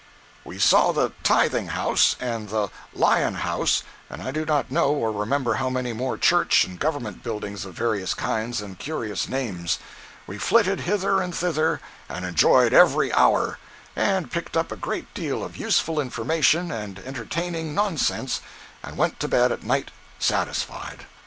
jpg (21K) We saw the "Tithing House," and the "Lion House," and I do not know or remember how many more church and government buildings of various kinds and curious names. We flitted hither and thither and enjoyed every hour, and picked up a great deal of useful information and entertaining nonsense, and went to bed at night satisfied.